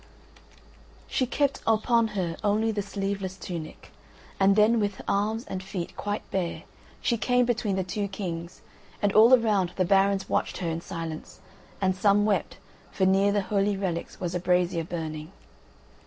She kept upon her only the sleeveless tunic, and then with arms and feet quite bare she came between the two kings, and all around the barons watched her in silence, and some wept, for near the holy relics was a brazier burning.